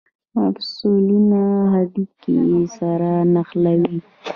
مفصلونه هډوکي سره نښلوي